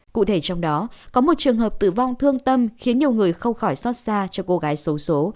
cụ thể trong đó có một trường hợp tử vong thương tâm khiến nhiều người không khỏi xót xa cho cô gái xấu xố